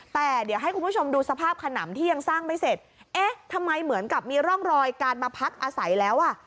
แต่เดี๋ยวให้คุณผู้ชมดูสภาพขนำที่ยังสร้างไม่เสร็จเอ๊ะทำไมเหมือนกับมีร่องรอยการมาพักอาศัยแล้วอ่ะ